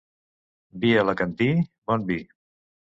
Vi alacantí, bon vi.